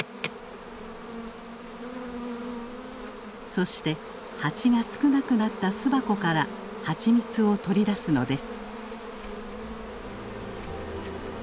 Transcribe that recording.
そしてハチが少なくなった巣箱から蜂蜜を取り出すのです。